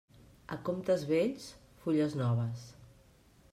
A comptes vells, fulles noves.